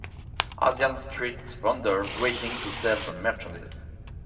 asian street vendors waiting to sell there merchandise.